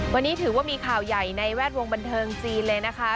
วันนี้ถือว่ามีข่าวใหญ่ในแวดวงบันเทิงจีนเลยนะคะ